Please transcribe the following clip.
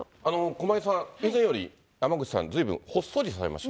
駒井さん、以前より山口さん、ずいぶんほっそりされました。